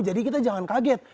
jadi kita jangan kaget